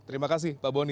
terima kasih pak boni